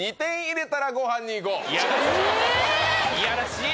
いやらしえ！